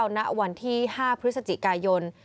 ณวันที่๕พฤศจิกายน